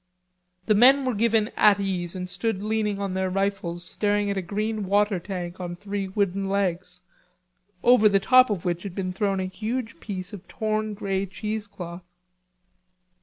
The men were given "at ease" and stood leaning on their rifles staring at a green water tank on three wooden legs, over the top of which had been thrown a huge piece of torn grey cheesecloth.